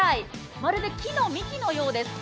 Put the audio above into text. まるで木の幹のようです。